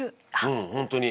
うんホントに。